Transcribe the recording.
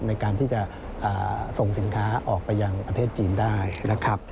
ในการที่จะส่งสินค้าออกไปยังประเทศจีนได้นะครับ